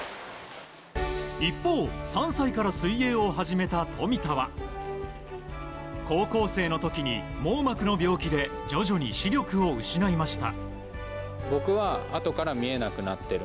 一方、３歳から水泳を始めた富田は高校生の時に網膜の病気で徐々に視力を失いました。